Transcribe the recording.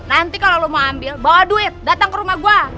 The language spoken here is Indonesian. nanti kalau lo mau ambil bawa duit datang ke rumah gue